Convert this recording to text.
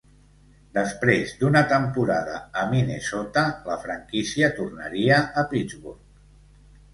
Després d'una temporada a Minnesota, la franquícia tornaria a Pittsburgh.